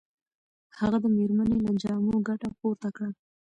هغه د مېرمنې له جامو ګټه پورته کړه.